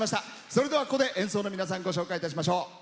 それではここで演奏の皆さんご紹介いたしましょう。